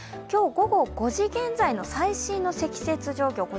今日午後５時現在の最新の積雪状況